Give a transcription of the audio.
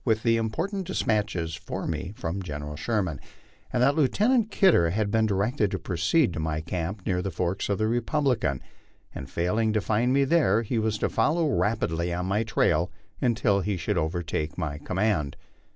with important despatches for me from General Sherman, and that Lieu tenant Kidder had been directed to proceed to my camp near the forks of the Republican, and failing to find me there he was to follow rapidly on my trail until he should overtake my command.